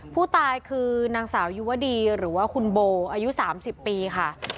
ผู้ตายคือนางสาวยุวดีหรือว่าคุณโบอายุ๓๐ปีค่ะ